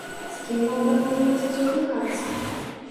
З кім вам даводзілася сутыкацца?